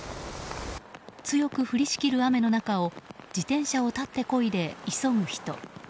強く降りしきる雨の中を自転車を立ってこいで急ぐ人。